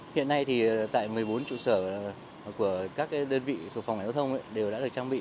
hiện nay thì tại một mươi bốn trụ sở của các đơn vị thuộc phòng cảnh giao thông đều đã được trang bị